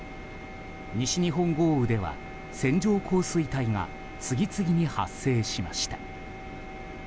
西日本豪雨では線状降水帯が次々に発生しました。